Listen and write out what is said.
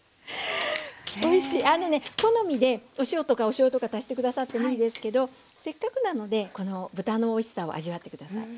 あのね好みでお塩とかおしょうゆとか足して下さってもいいですけどせっかくなのでこの豚のおいしさを味わって下さい。